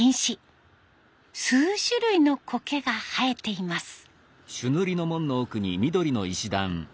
数種類のコケが生えています。